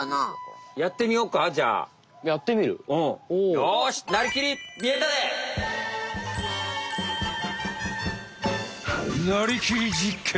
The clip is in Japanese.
よし「なりきり！実験！」。